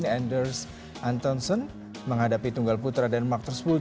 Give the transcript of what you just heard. anderson menghadapi tunggal putra denmark tersebut